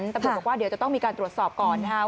ตำรวจบอกว่าเดี๋ยวจะต้องมีการตรวจสอบก่อนนะครับ